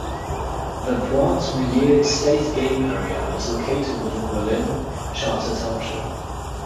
The Pointe Mouillee State Game Area is located within Berlin Charter Township.